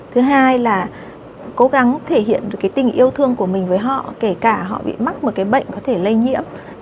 thứ hai là cố gắng thể hiện được cái tình yêu thương của mình với họ kể cả họ bị mắc một cái bệnh có thể lây nhiễm